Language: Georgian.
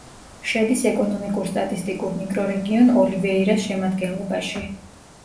შედის ეკონომიკურ-სტატისტიკურ მიკრორეგიონ ოლივეირას შემადგენლობაში.